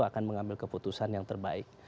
akan mengambil keputusan yang terbaik